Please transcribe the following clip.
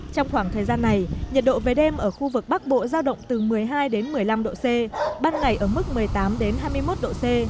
trong khoảng thời gian này nhiệt độ về đêm ở khu vực bắc bộ giao động từ một mươi hai đến một mươi năm độ c ban ngày ở mức một mươi tám hai mươi một độ c